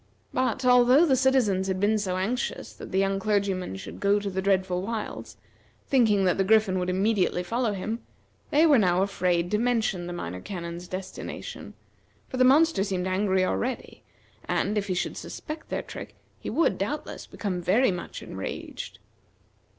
But, although the citizens had been so anxious that the young clergyman should go to the dreadful wilds, thinking that the Griffin would immediately follow him, they were now afraid to mention the Minor Canon's destination, for the monster seemed angry already, and, if he should suspect their trick he would, doubtless, become very much enraged.